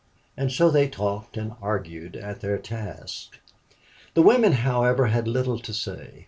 And so they talked and argued at their tasks. The women, however, had little to say.